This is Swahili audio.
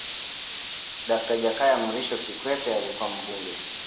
dakta jakaya mrisho kikwete alikuwa mbunge